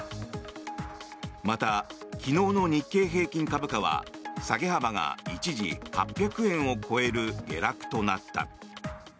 また、昨日の日経平均株価は下げ幅が一時、８００円を超える下落となった。